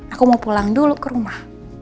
aku mau pulang dulu ke rumah